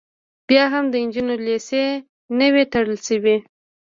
بیا هم د نجونو لیسې نه وې تړل شوې